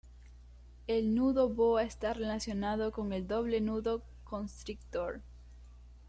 El nudo boa está relacionado con el doble nudo constrictor.